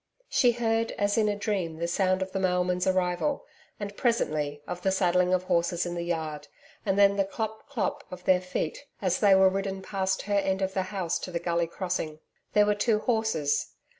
She heard as in a dream the sound of the mailman's arrival, and presently, of the saddling of horses in the yard, and then the CLOP CLOP of their feet as they were ridden past her end of the house to the Gully crossing. There were two horses.